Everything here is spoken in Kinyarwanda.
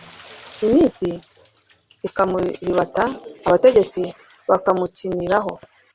iminsi ikamuribata, abategetsi bamukiniraho